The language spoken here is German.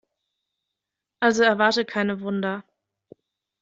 Also erwarte keine Wunder.